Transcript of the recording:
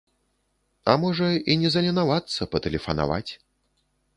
А можа, і не заленавацца, патэлефанаваць.